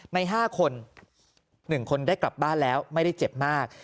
ใน๕คน๑คนได้กลับบ้านแล้วไม่ได้เจ็บมาก